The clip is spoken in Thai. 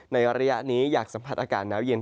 ในระยะนี้อยากสัมผัสอากาศหนาวเย็น